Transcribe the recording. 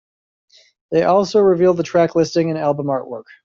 They also revealed the track listing and album artwork.